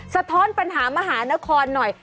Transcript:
สะท้อนปัญหามหานครหน่อย